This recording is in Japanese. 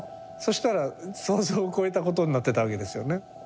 したら想像を超えたことになってたわけですよね。